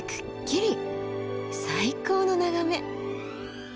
最高の眺め！